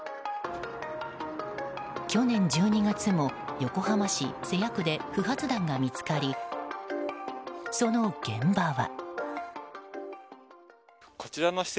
去年１２月も、横浜市瀬谷区で不発弾が見つかり、その現場は。